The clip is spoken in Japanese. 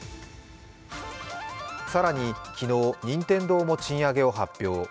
更に昨日、任天堂も賃上げを発表。